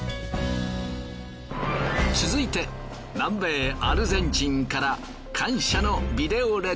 続いて南米アルゼンチンから感謝のビデオレターが。